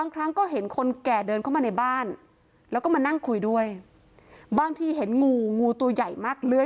คุณปุ้ยอายุ๓๒นางความร้องไห้พูดคนเดี๋ยว